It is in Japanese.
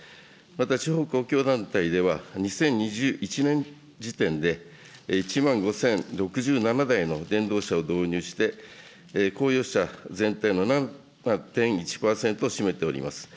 また地方公共団体では２０２１年時点で、１万５０６７台の電動車を導入して、公用車全体の７．１％を占めております。